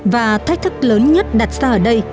và thách thức lớn nhất đặt ra ở đây